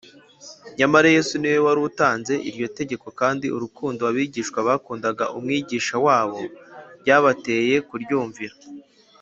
nyamara yesu niwe wari utanze iryo tegeko, kandi urukundo abigishwa bakundaga umwigisha wabo rwabateye kuryumvira